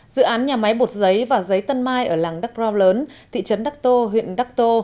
dự án nhà máy bột giấy và giấy tân mai ở làng đắk rau lớn thị trấn đắk tô huyện đắk tô